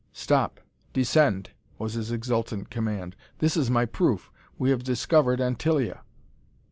"Stop! Descend!" was his exultant command. "This is my proof! We have discovered Antillia!"